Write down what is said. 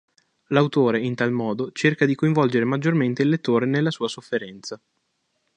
L'autore, in tal modo, cerca di coinvolgere maggiormente il lettore nella sua sofferenza.